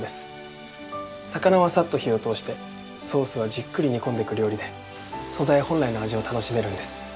魚はさっと火を通してソースはじっくり煮込んでいく料理で素材本来の味を楽しめるんです。